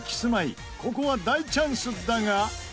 ここは大チャンスだが。